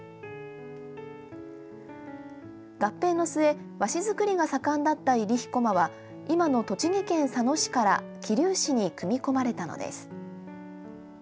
合併の末和紙作りが盛んだった入飛駒は今の栃木県佐野市から桐生市に組み込まれたのです。